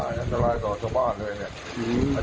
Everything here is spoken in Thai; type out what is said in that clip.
อันตรายสวทธิบาทเลยเนี่ย